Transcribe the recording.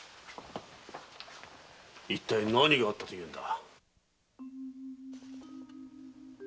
一体何があったというのだ。